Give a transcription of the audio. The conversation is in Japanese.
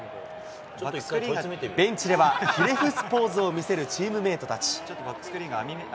ベンチでは、ひれ伏すポーズを見せるチームメートたち。